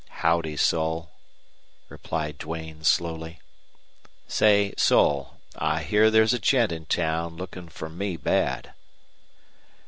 "Howdy, Sol," replied Duane, slowly. "Say, Sol, I hear there's a gent in town looking for me bad."